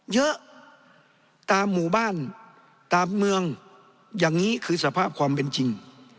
เยอะตามหมู่บ้านตามเมืองอย่างนี้คือสภาพความเป็นจริง